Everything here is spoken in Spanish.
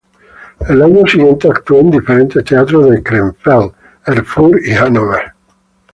En los años siguientes actuó en diferentes teatros de Krefeld, Erfurt y Hannover.